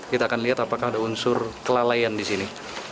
kita akan lihat apakah ada unsur kelalaian di sini